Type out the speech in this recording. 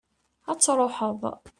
ad truḥeḍ